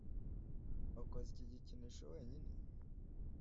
Wakoze iki gikinisho wenyine?